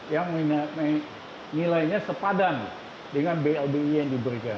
yang nilainya sepadan dengan blbi yang diberikan